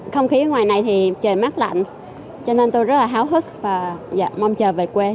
không khí ngoài này thì trời mát lạnh cho nên tôi rất là háo hức và mong chờ về quê